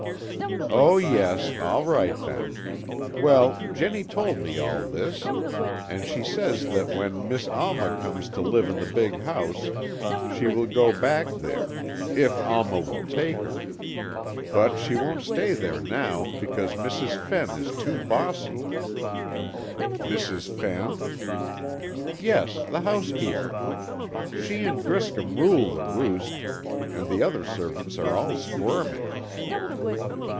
"Oh, yes; all right, then. Well, Jennie told me all this, and she says that when Miss Alma comes to live in the big house, she will go back there, if Alma will take her. But she won't stay there now, because Mrs. Fenn is too bossy." "Mrs. Fenn?" "Yes, the housekeeper. She and Griscom rule the roost, and the other servants are all squirming."